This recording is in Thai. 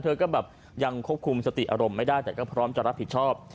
เธอก็แบบยังควบคุมสติอารมณ์ไม่ได้แต่ก็พร้อมจะรับผิดชอบ